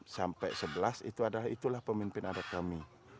enam sampai sebelas itu adalah pemimpin adat kami